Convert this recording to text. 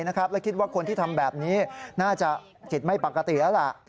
และคิดว่าคนที่ทำแบบนี้น่าจะจิตไม่ปกติแล้วล่ะ